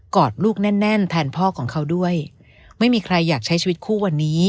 อดลูกแน่นแน่นแทนพ่อของเขาด้วยไม่มีใครอยากใช้ชีวิตคู่วันนี้